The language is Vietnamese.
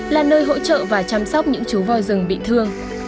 là nơi hỗ trợ và chăm sóc những chú voi rừng bị thương